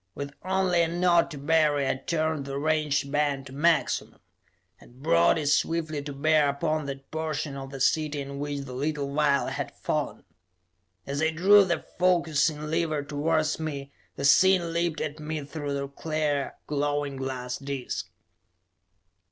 With only a nod to Barry, I turned the range band to maximum, and brought it swiftly to bear upon that portion of the city in which the little vial had fallen. As I drew the focusing lever towards me, the scene leaped at me through the clear, glowing glass disc.